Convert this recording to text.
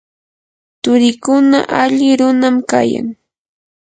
turiikuna alli runam kayan.